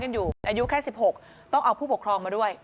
อยู่อายุแค่๑๖ต้องเอาผู้ปกครองมาด้วย